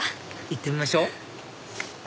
行ってみましょう